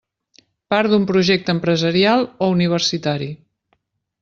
Part d'un projecte empresarial o universitari.